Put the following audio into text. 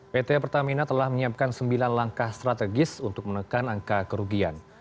pt pertamina telah menyiapkan sembilan langkah strategis untuk menekan angka kerugian